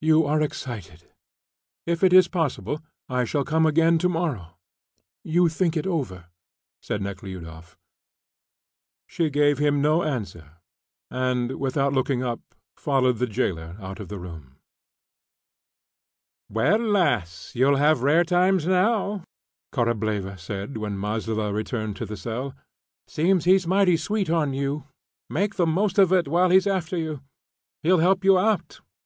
"You are excited. If it is possible, I shall come again tomorrow; you think it over," said Nekhludoff. She gave him no answer and, without looking up, followed the jailer out of the room. "Well, lass, you'll have rare times now," Korableva said, when Maslova returned to the cell. "Seems he's mighty sweet on you; make the most of it while he's after you. He'll help you out.